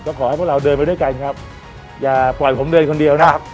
ก็ขอให้พวกเราเดินไปด้วยกันครับอย่าปล่อยผมเดินคนเดียวนะครับ